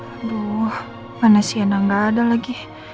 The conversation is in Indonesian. aduh mana sienna gak ada lagi